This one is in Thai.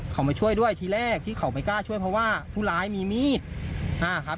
เขามาช่วยด้วยทีแรกที่เขาไม่กล้าช่วยเพราะว่าผู้ร้ายมีมีดอ่าครับ